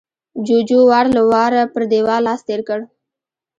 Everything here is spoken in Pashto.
جُوجُو وار له واره پر دېوال لاس تېر کړ